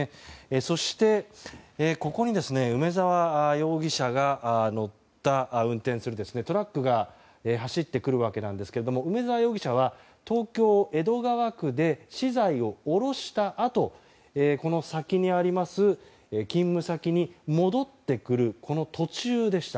そして、ここに梅沢容疑者が運転するトラックが走ってくるわけですが梅沢容疑者は東京・江戸川区で資材を下ろしたあとこの先にあります勤務先に戻ってくる途中でした。